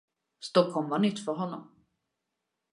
Stockholm var nytt för honom.